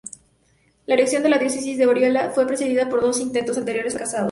La erección de la diócesis de Orihuela fue precedida por dos intentos anteriores fracasados.